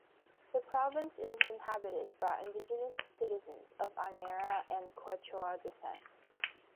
The province is inhabited by indigenous citizens of Aymara and Quechua descent.